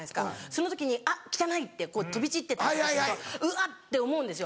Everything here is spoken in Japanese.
その時にあっ汚いって飛び散ってたりとかするとうわ！って思うんですよ